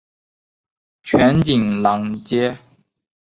全景廊街。